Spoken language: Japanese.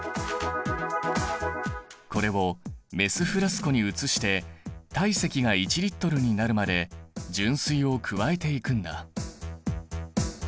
これをメスフラスコに移して体積が１Ｌになるまで純水を加えていくんだ。